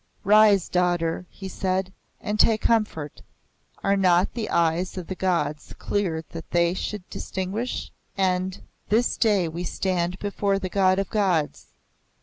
"Rise, daughter!" he said, "and take comfort! Are not the eyes of the Gods clear that they should distinguish? and this day we stand before the God of Gods.